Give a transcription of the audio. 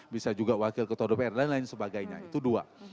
bisa juga wakil ketua dpr dan lain sebagainya itu dua